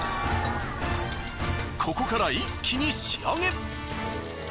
ここから一気に仕上げ。